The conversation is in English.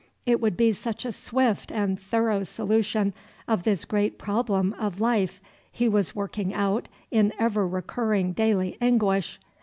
It would be such a swift and thorough solution of this great problem of life he was working out in ever recurring daily anguish!